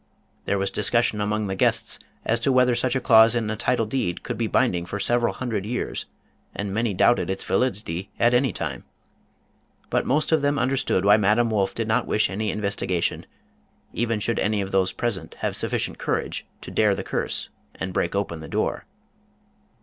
There was dis cussion among the guests as to whether such a clause in a title deed could be binding for several hundred years, and many doubted its validity at any time. But most of them understood why Madame Wolff did not wish any in vestigation, even should any of those present have sufficient courage to dare the curse and break open the door.